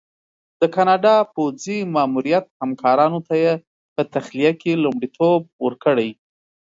د کاناډا پوځي ماموریت همکارانو ته یې په تخلیه کې لومړیتوب ورکړی.